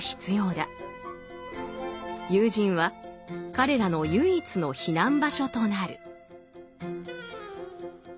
友人は彼らの唯一の避難場所となる。